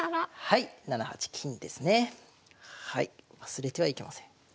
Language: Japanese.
忘れてはいけません。